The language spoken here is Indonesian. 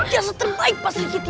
jasa terbaik pak serigiti